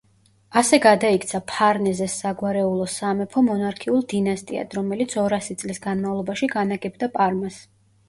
ასე გადაიქცა ფარნეზეს საგვარეულო სამეფო, მონარქიულ დინასტიად, რომელიც ორასი წლის განმავლობაში განაგებდა პარმას.